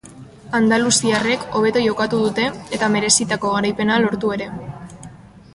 Andaluziarrek hobeto jokatu dute eta merezitako garaipena lortu ere.